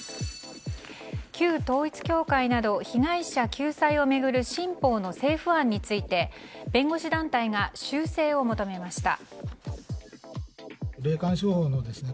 旧統一教会など被害者救済を巡る新法の政府案について弁護士団体が修正を求めました。